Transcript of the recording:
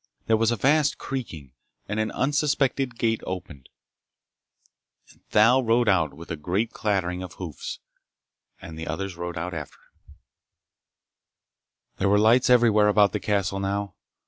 There was a vast creaking, and an unsuspected gate opened, and Thal rode out with a great clattering of hoofs and the others rode out after him. There were lights everywhere about the castle, now.